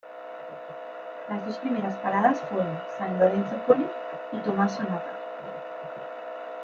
Las dos primeras paradas fueron San Lorenzo-Colli y Tommaso Natale.